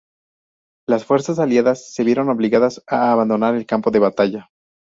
Las fuerzas aliadas se vieron obligadas a abandonar el campo de batalla.